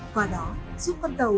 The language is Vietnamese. qua đó giúp con cầu